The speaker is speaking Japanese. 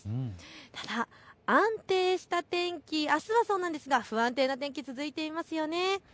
ただ安定した天気、あすはそうなんですが不安定な天気続いていますよね。